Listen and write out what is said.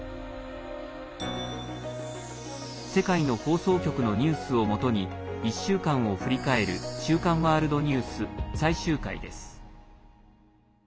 世界の放送局のニュースをもとに１週間を振り返る「週刊ワールドニュース」最終回です。